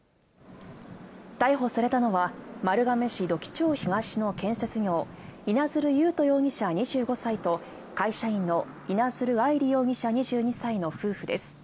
逮捕されたのは、丸亀市土器町東の建設業、稲づる夢登容疑者２５歳と、会社員の稲づる愛梨容疑者２２歳の夫婦です。